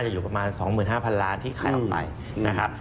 อยู่ประมาณ๒๕๐๐๐ล้านที่ขายออกไปนะครับ